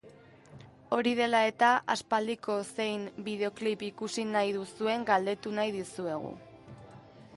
Hori dela eta, aspaldiko zein bideoklip ikusi nahi duzuen galdetu nahi dizuegu.